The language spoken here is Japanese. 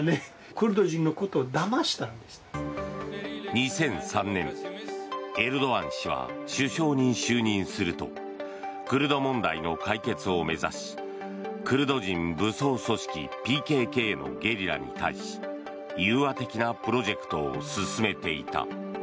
２００３年、エルドアン氏は首相に就任するとクルド問題の解決を目指しクルド人武装組織ＰＫＫのゲリラに対し融和的なプロジェクトを進めていた。